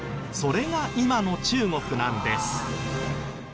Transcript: それが今の中国なんです。